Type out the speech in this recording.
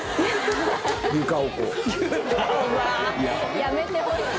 やめてほしい。